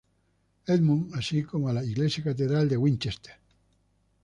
Edmunds, así como a la iglesia-catedral de Winchester.